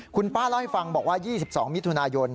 คุณป้าเล่าให้ฟังบอกว่า๒๒มิถุนายน